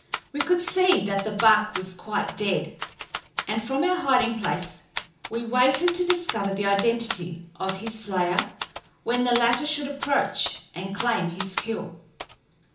We could see that the buck was quite dead, and from our hiding place we waited to discover the identity of his slayer when the latter should approach and claim his kill.